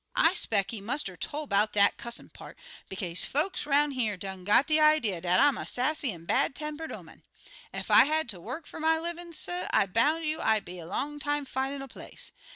"I 'speck he must er tol' 'bout dat cussin' part, bekaze folks 'roun' here done got de idee dat I'm a sassy an' bad tempered 'oman. Ef I had ter work fer my livin', suh, I boun' you I'd be a long time findin' a place.